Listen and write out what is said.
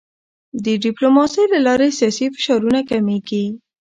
د ډیپلوماسی له لارې سیاسي فشارونه کمېږي.